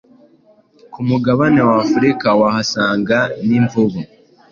ku mugabane wa Afurika wahasanga ni imvubu